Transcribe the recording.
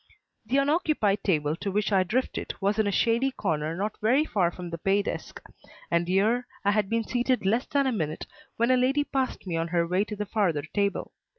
The unoccupied table to which I drifted was in a shady corner not very far from the pay desk; and here I had been seated less than a minute when a lady passed me on her way to the farther table.